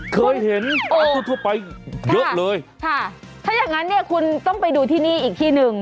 เคยเห็นทั่วทั่วไปเยอะเลยค่ะถ้าอย่างงั้นเนี่ยคุณต้องไปดูที่นี่อีกที่หนึ่ง